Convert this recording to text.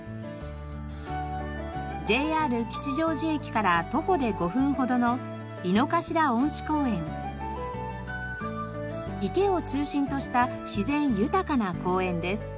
ＪＲ吉祥寺駅から徒歩で５分ほどの池を中心とした自然豊かな公園です。